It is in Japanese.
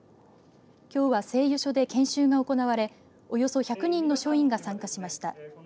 きょうは製油所で研修が行われおよそ１００人の所員が参加しました。